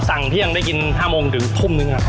สั่งเที่ยงได้กิน๕โมงถึงทุ่มนึงครับ